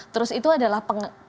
terus itu adalah